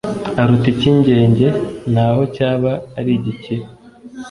aruta icyigenge naho cyaba ari igikire